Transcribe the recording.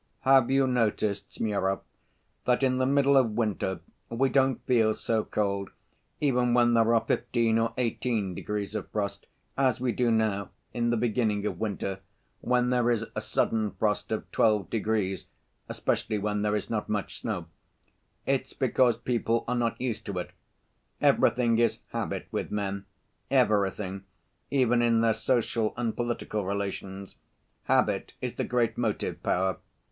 "Have you noticed, Smurov, that in the middle of winter we don't feel so cold even when there are fifteen or eighteen degrees of frost as we do now, in the beginning of winter, when there is a sudden frost of twelve degrees, especially when there is not much snow. It's because people are not used to it. Everything is habit with men, everything even in their social and political relations. Habit is the great motive‐power.